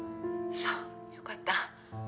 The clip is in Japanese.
そう良かった。